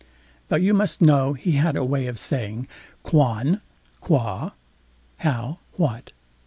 But you must know he had a way of saying Quan? qua? (how? what?)